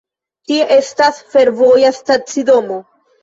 Tie estas fervoja stacidomo.